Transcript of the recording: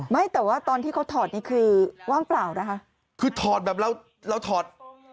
ไม่แต่ว่าตอนที่เขาถอดนี่คือว่างเปล่านะคะคือถอดแบบเราเราถอด